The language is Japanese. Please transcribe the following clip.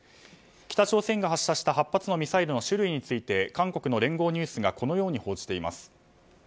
北朝鮮が発射した８発のミサイルの種類について韓国の聯合ニュースがこのように報じています。